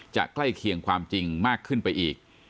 ใกล้เคียงความจริงมากขึ้นไปอีก